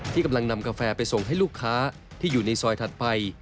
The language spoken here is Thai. กำลังนำกาแฟไปส่งให้ลูกค้าที่อยู่ในซอยถัดไป